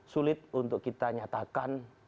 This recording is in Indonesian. sulit untuk kita nyatakan